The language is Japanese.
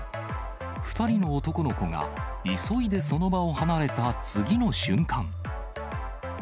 ２人の男の子が、急いでその場を離れた次の瞬間。